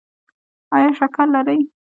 ایا شکر لرئ؟